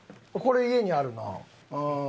これ家にあるな。